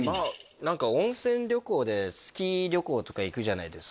何か温泉旅行でスキー旅行とか行くじゃないですか